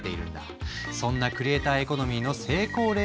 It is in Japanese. そんなクリエイターエコノミーの成功例を紹介するね。